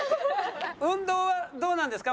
運動はどうなんですか？